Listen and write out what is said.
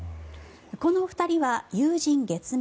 この２人は有人月面